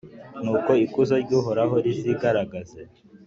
Nuko ikuzo ry’Uhoraho rizigaragaze,